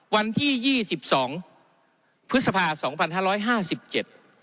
วันที่ยี่สิบสองพฤษภาสองพันห้าร้อยห้าสิบเจ็ด